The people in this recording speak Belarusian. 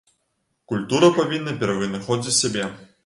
Культура павінна перавынаходзіць сябе.